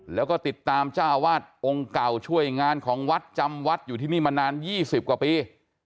แล้วก็ติดตามเจ้าวาดองค์เก่าช่วยงานของวัดจำวัดอยู่ที่นี่มานาน๒๐กว่าปี